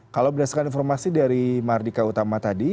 kalau berdasarkan informasi dari mardika utama tadi